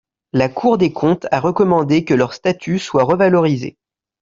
La Cour des comptes a recommandé que leur statut soit revalorisé.